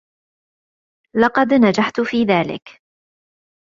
لقد نجحت في ذلك.